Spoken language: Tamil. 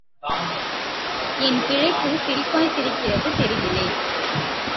என் பிழைப்புச் சிரிப்பாய்ச்சிரிக்கிறது தெருவிலே.